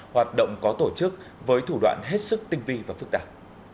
hoạt động có tổ chức với thủ đoạn hết sức tinh vi và phức tạp